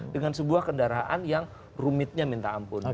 dengan sebuah kendaraan yang rumitnya minta ampun